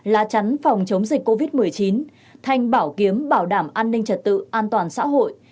lá chắn phòng chống dịch covid một mươi chín thanh bảo kiếm bảo đảm an ninh trật tự an toàn xã hội